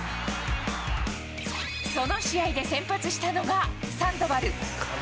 その試合で先発したのがサンドバル。